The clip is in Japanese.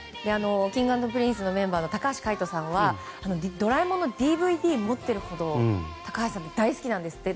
Ｋｉｎｇ＆Ｐｒｉｎｃｅのメンバーの高橋海人さんは「ドラえもん」のＤＶＤを持っているほど大好きなんですって。